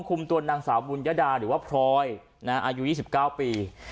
คุมตัวนางสาวบุญยดาหรือว่าพลอยอายุ๒๙ปี